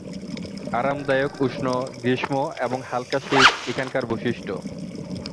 আরামদায়ক উষ্ণ গ্রীষ্ম এবং হালকা শীত এখানকার বৈশিষ্ট্য।